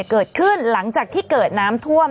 เกิดขึ้นหลังจากที่เกิดน้ำท่วม